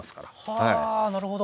はあなるほど。